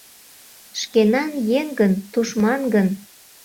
— Шкенан еҥ гын, тушман гын?